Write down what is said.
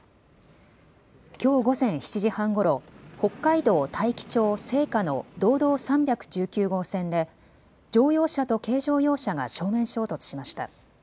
きょう午前７時半ごろ北海道大樹町生花の道道３１９号線で乗用車と軽乗用車が正面衝突しました。